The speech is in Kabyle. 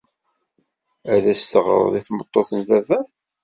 Ad as-teɣred i tmeṭṭut n baba-m.